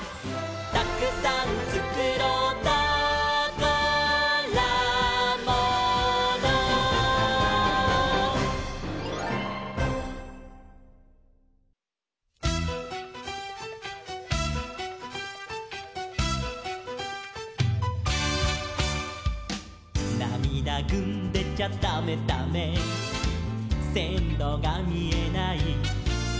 「たくさんつくろうたからもの」「なみだぐんでちゃだめだめ」「せんろがみえない」